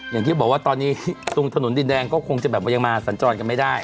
อย่างที่บอกว่าตอนนี้ตรงถนนดินแดงก็คงจะแบบว่ายังมาสัญจรกันไม่ได้